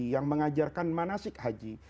yang mengajarkan manasik haji